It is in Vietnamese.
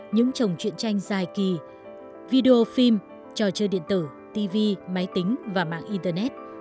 những tròng chuyện tranh dài kỳ video phim trò chơi điện tử tv máy tính và mạng internet